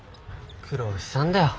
苦労したんだよ